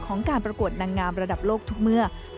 การประกวดนางงามระดับโลกทุกเมื่อ